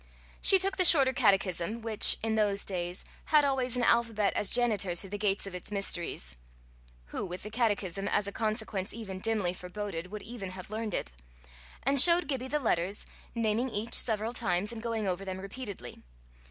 She took the Shorter Catechism, which, in those days, had always an alphabet as janitor to the gates of its mysteries who, with the catechism as a consequence even dimly foreboded, would even have learned it? and showed Gibbie the letters, naming each several times, and going over them repeatedly.